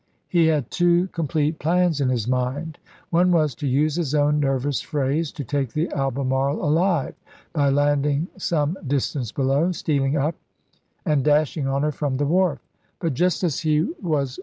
He had two com plete plans in his mind ; one was — to use his own nervous phrase — "to take the Albemarle alive," by landing some distance below, stealing up, and dash ing on her fiom the wharf; but just as he was 18 ABRAHAM LINCOLN chap.